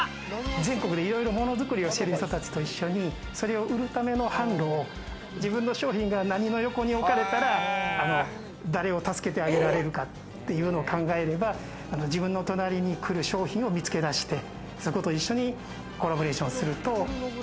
全国でいろいろモノづくりをしている人たちと一緒に、それを売るための販路を自分の商品が何の横に置かれたら誰を助けてあげられるかっていうのを考えれば自分の隣に来る商品を見つけ出してそこと一緒にコラボレーションすると。